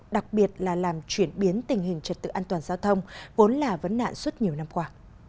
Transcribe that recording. đặc biệt là làm chuyển biến tình hình trật tự an toàn giao thông vốn là vấn nạn suốt nhiều năm qua